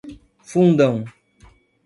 Fundão